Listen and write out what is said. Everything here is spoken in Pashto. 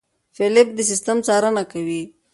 فېلېپ د سیستم څارنه کوي.